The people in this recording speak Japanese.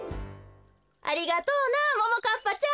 ありがとうなももかっぱちゃん！